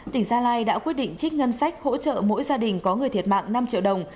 tỉnh gia lai đã quyết định trích ngân sách hỗ trợ mỗi gia đình có người thiệt mạng năm triệu đồng